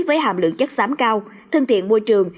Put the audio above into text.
với hàm lượng chất xám cao thân thiện môi trường